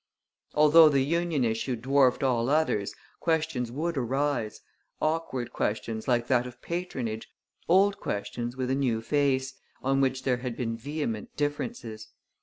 Although the union issue dwarfed all others, questions would arise, awkward questions like that of patronage, old questions with a new face, on which there had been vehement differences.